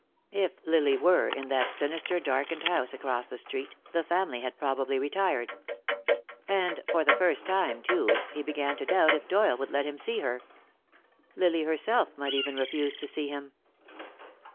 If Lily were in that sinister darkened house across the street, the family had probably retired. And for the first time, too, he began to doubt if Doyle would let him see her. Lily herself might even refuse to see him.